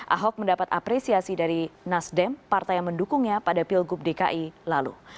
ahok mendapat apresiasi dari nasdem partai yang mendukungnya pada pilgub dki lalu